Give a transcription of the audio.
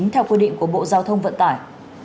theo quy định của bộ giao thông vận tải